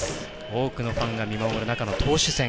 多くのファンが見守る中の投手戦。